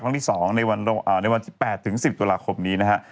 ครั้งที่๒ในวันที่๘ถึง๑๐ตุลาคมนี้นะฮะ